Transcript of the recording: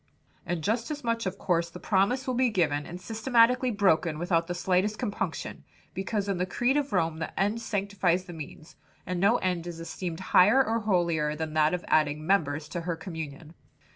"And just as much of course the promise will be given and systematically broken without the slightest compunction; because in the creed of Rome the end sanctifies the means and no end is esteemed higher or holier than that of adding members to her communion."